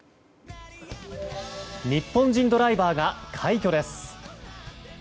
日本人ドライバーが快挙です。